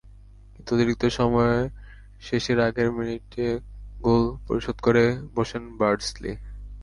কিন্তু অতিরিক্ত সময়ের শেষের আগের মিনিটে গোল পরিশোধ করে বসেন বার্ডসলি।